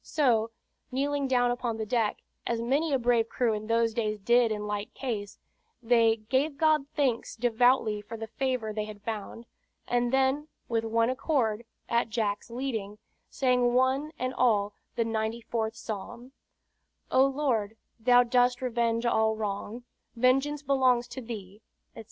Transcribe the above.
So, kneeling down upon the deck, as many a brave crew in those days did in like case, they "gave God thanks devoutly for the favor they had found"; and then with one accord, at Jack's leading, sang one and all the ninety fourth Psalm: "O, Lord, Thou dost revenge all wrong, Vengeance belongs to Thee," etc.